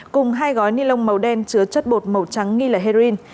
cùng hai gói ni lông màu đen chứa chất bột màu trắng nghi là heroin